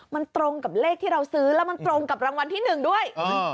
มันตรงกับเลขที่เราซื้อแล้วมันตรงกับรางวัลที่หนึ่งด้วย